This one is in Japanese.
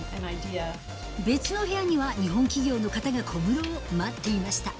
別の部屋には日本企業の方が小室を待っていました。